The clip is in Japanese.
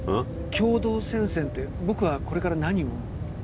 共同戦線って僕はこれから何を？